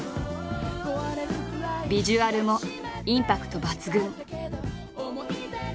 ビジュアルもインパクト抜群。